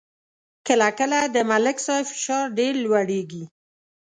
کله کله د ملک صاحب فشار ډېر لوړېږي.